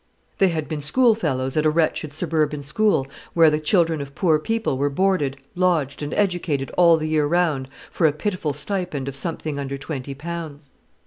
They had been schoolfellows at a wretched suburban school, where the children of poor people were boarded, lodged, and educated all the year round for a pitiful stipend of something under twenty pounds.